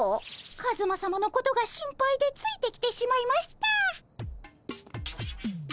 カズマさまのことが心配でついてきてしまいました。